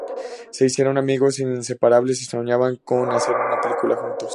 Se hicieron amigos inseparables y soñaban con hacer una película juntos.